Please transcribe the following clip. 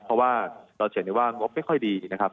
เพราะว่าเราเฉยว่างบไม่ค่อยดีนะครับ